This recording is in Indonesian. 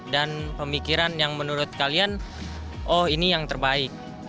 dan pemikiran yang menurut kalian oh ini yang terbaik